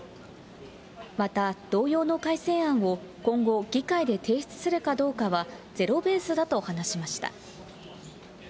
また、同様の改正案を今後、議会で提出するかどうかはゼロベースだと話しました。